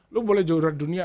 lu boleh jurur dunia